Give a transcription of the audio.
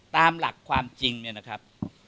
ตามหลักความจริงเนี่ยนะครับ